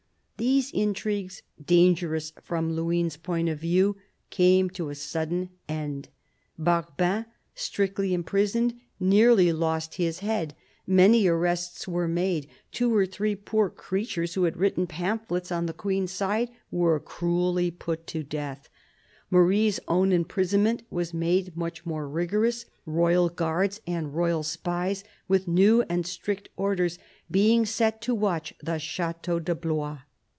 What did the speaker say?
These intrigues, dangerous from Luynes' point of view, came to a sudden end. Barbin, strictly imprisoned, nearly lost his head ; many arrests were made ; two or three poor creatures who had written pamphlets on the Queen's side were cruelly put to death ; Marie's own imprisonment was made much more rigorous, royal guards and royal spies with new and strict orders being set to watch the Chateau de Blois.